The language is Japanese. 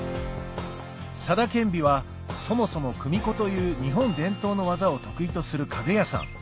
佐田建美はそもそも組子という日本伝統の技を得意とする家具屋さん